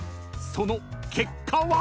［その結果は⁉］